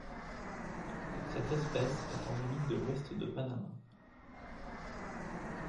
Cette espèce est endémique de l'Ouest de Panama.